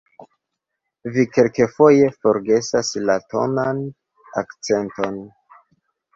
Vi kelkafoje forgesas la tonan akcenton.